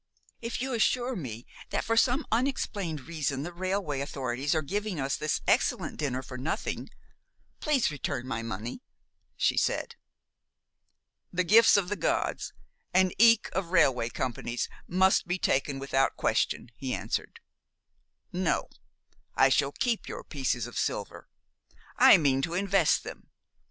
"If you assure me that for some unexplained reason the railway authorities are giving us this excellent dinner for nothing, please return my money," she said. "The gifts of the gods, and eke of railway companies, must be taken without question," he answered. "No, I shall keep your pieces of silver. I mean to invest them.